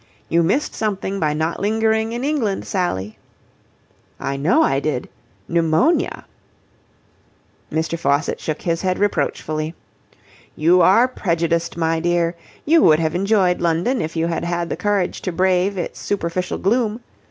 You missed something by not lingering in England, Sally." "I know I did pneumonia." Mr. Faucitt shook his head reproachfully. "You are prejudiced, my dear. You would have enjoyed London if you had had the courage to brave its superficial gloom.